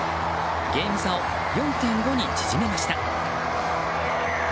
ゲーム差を４．５に縮めました。